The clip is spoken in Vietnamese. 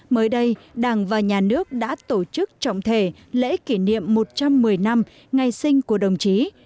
mới đây đảng và nhà nước đã tổ chức trọng thể lễ kỷ niệm một trăm một mươi năm ngày sinh của đồng chí